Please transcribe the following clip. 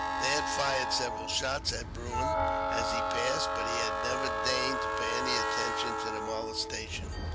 They had fired several shots at Bruin as he passed, but he had never deigned to pay any attention to the molestation.